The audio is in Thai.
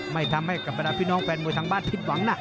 ไม่ทำให้กับบรรดาพี่น้องแฟนมวยทางบ้านผิดหวังนะ